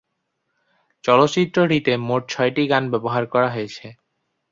চলচ্চিত্রটিতে মোট ছয়টি গান ব্যবহার করা হয়েছে।